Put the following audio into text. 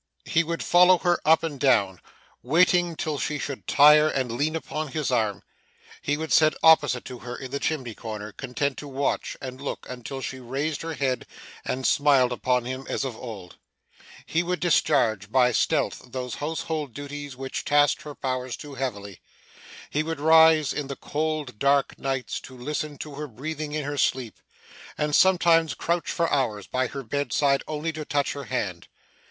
He would follow her up and down, waiting till she should tire and lean upon his arm he would sit opposite to her in the chimney corner, content to watch, and look, until she raised her head and smiled upon him as of old he would discharge by stealth, those household duties which tasked her powers too heavily he would rise, in the cold dark nights, to listen to her breathing in her sleep, and sometimes crouch for hours by her bedside only to touch her hand.